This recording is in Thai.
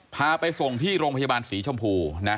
พาไปส่งที่โรงพยาบาลศรีชมพูนะ